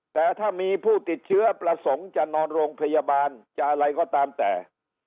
แต่ถ้ามีผู้ติดเชื้อประสงค์จะนอนโรงพยาบาลจะอะไรก็ตามแต่